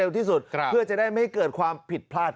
อันนี้จะต้องจับเบอร์เพื่อที่จะแข่งกันแล้วคุณละครับ